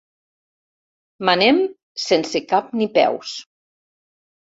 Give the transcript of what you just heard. Manem sense cap ni peus.